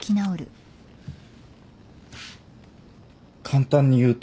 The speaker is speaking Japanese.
簡単に言うと。